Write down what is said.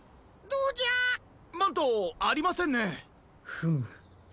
フム。